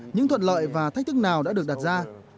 những thuận lợi và thách thức nào đã được đặt ra